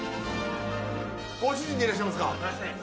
ご主人でいらっしゃいますか？